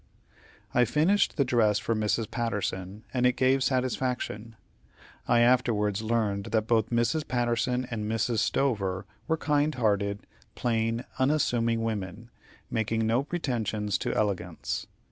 I finished the dress for Mrs. Patterson, and it gave satisfaction. I afterwards learned that both Mrs. Patterson and Mrs. Stover were kindhearted, plain, unassuming women, making no pretensions to elegance.